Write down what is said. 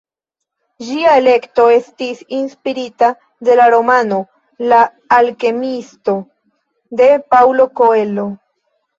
Ĝia elekto estis inspirita de la romano "La alkemiisto" de Paulo Coelho.